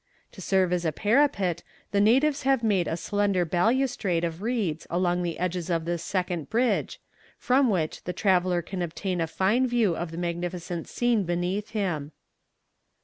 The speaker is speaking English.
To serve as a parapet, the natives have made a slender balustrade of reeds along the edges of this second bridge, from which the traveller can obtain a fine view of the magnificent scene beneath him.